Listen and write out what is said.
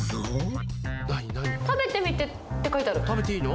「食べてみて！」って書いてある。